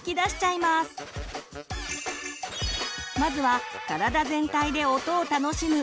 まずは体全体で音を楽しむ